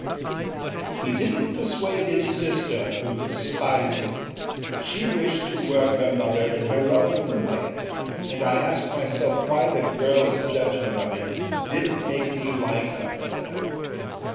He didnât persuade his sister, who despised himâshe wished to work her mother in her own way, and I asked myself why the girlâs judgment of him didnât make me like her better.